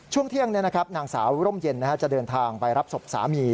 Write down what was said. ช่วงเที่ยงนางสาวร่มเย็นจะเดินทางไปรับศพสามี